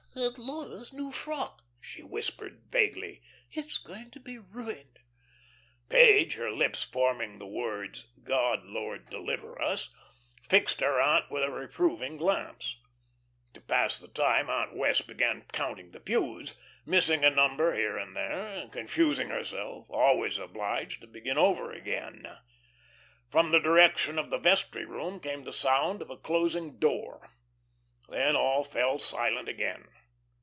"And Laura's new frock," she whispered, vaguely. "It's going to be ruined." Page, her lips forming the words, "Good Lord deliver us," fixed her aunt with a reproving glance. To pass the time Aunt Wess' began counting the pews, missing a number here and there, confusing herself, always obliged to begin over again. From the direction of the vestry room came the sound of a closing door. Then all fell silent again.